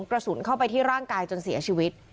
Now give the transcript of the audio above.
กระสุนเข้าไปที่ร่างกายจนเสียชีวิต